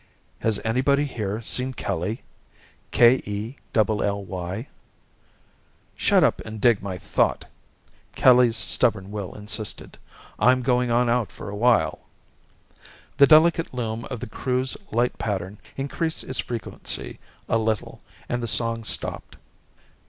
"'Has anybody here seen Kelly ... K E double L Y?'" "Shut up and dig my thought!" Kelly's stubborn will insisted. "I'm going on out for a while!" The delicate loom of the Crew's light pattern increased its frequency a little and the song stopped.